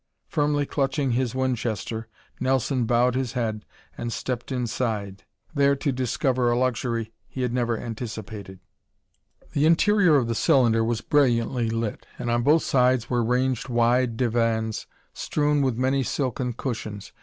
Firmly clutching his Winchester, Nelson bowed his head and stepped inside, there to discover a luxury he had never anticipated. The interior of the cylinder was brilliantly lit and on both sides were ranged wide divans, strewn with many silken cushions.